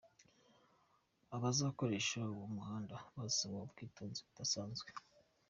Abazakoresha uwo muhanda bazasabwa ubwitonzi budasanzwe.